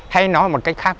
hay nói một cách khác